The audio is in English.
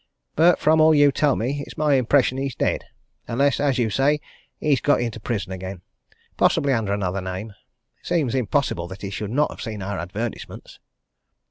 But, from all you tell me, it's my impression he's dead unless, as you say, he's got into prison again possibly under another name. It seems impossible that he should not have seen our advertisements."